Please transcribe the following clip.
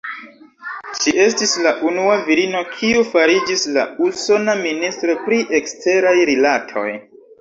Ŝi estis la unua virino, kiu fariĝis la usona Ministro pri Eksteraj Rilatoj.